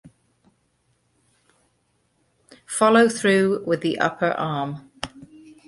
Follow through with the upper arm.